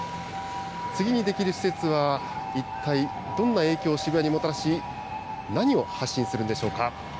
次に出来る施設は、一体どんな影響を渋谷にもたらし、何を発信するんでしょうか。